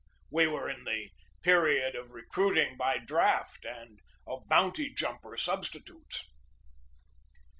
We were in the period of recruiting by draft and of "bounty jumper" substitutes.